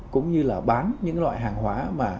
cũng như là bán những loại hàng hóa